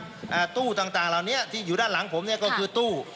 อ่าตู้ต่างต่างเหล่านี้ที่อยู่ด้านหลังผมเนี้ยก็คือตู้